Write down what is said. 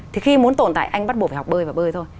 thì khi muốn tồn tại anh bắt buộc phải học bơi và bơi thôi